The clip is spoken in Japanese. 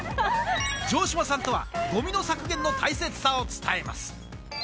城島さんとは、ごみの削減の大切さを伝えます。